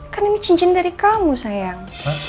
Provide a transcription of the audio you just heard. kan ini cincin dari kamu sayang